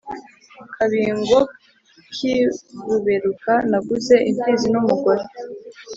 Kabingo k' i Buberuka naguze impfizi n' umugore,